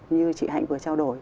như chị hạnh vừa trao đổi